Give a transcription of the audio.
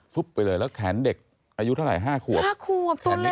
ฟึบไปเลยแล้วแขนเด็กอายุเท่าไร๕ขวบ